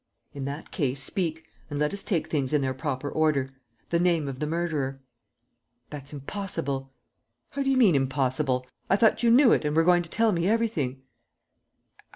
"In that case, speak; and let us take things in their proper order. The name of the murderer?" "That's impossible." "How do you mean, impossible? I thought you knew it and were going to tell me everything!"